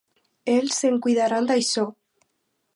Ells se'n cuidaran d'això.